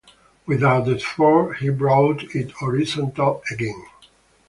Without effort he brought it horizontal again.